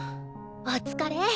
お疲れ。